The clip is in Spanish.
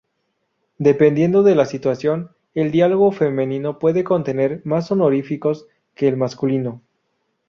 Dependiendo de la situación, el diálogo femenino puede contener más honoríficos que el masculino.